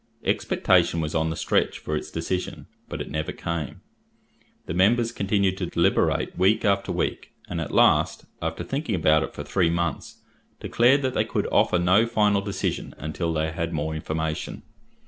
Expectation was on the stretch for its decision, but it never came. The members continued to deliberate week after week, and at last, after thinking about it for three months, declared that they could offer no final decision until they had more information.